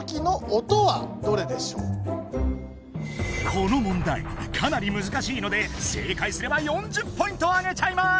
この問題かなりむずかしいので正解すれば４０ポイントあげちゃいます！